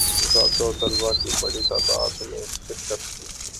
اساتذہ و طلباء کی بڑی تعداد نے شرکت کی